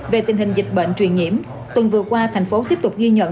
về tình hình dịch bệnh truyền nhiễm tuần vừa qua thành phố tiếp tục ghi nhận